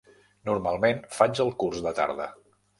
Normalment, faig el curs de tarda.